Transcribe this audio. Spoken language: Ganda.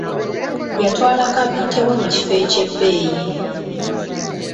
Yatwala kabiite we mu kifo eky'ebbeeyi.